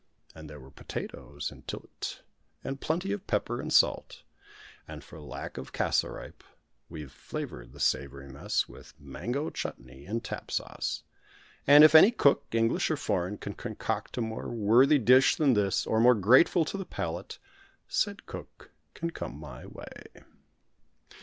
And there were potatoes "intil't," and plenty of pepper and salt. And for lack of cassaripe we flavoured the savoury mess with mango chutnee and Tapp sauce. And if any cook, English or foreign, can concoct a more worthy dish than this, or more grateful to the palate, said cook can come my way.